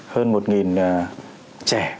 hơn một trẻ